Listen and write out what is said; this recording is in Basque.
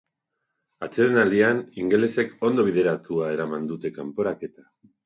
Atsedenaldian, ingelesek ondo bideratua eraman dute kanporaketa.